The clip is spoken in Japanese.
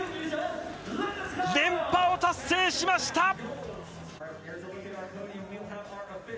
連覇を達成しました。